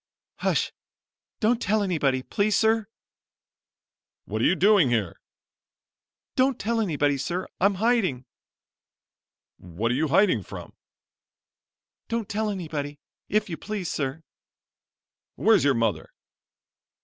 "Hush! don't tell anybody please, sir." "What are you doing here?" "Don't tell anybody, sir; I'm hiding." "What are you hiding from?" "Don't tell anybody, if you please, sir." "Where's your mother?"